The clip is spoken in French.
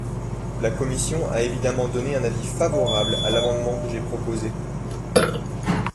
La commission a évidemment donné un avis favorable à l’amendement que j’ai proposé.